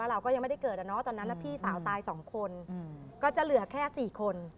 เราก็ยังไม่ได้เกิดตอนนั้นพี่สาวตาย๒คนก็จะเหลือแค่๔คน